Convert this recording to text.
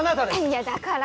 いやだから。